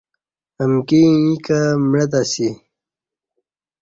امکی ییں کہ معتہ اسی